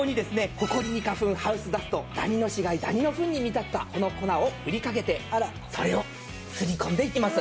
ホコリに花粉ハウスダストダニの死骸ダニのフンに見立てたこの粉をふりかけてそれをすり込んでいきます。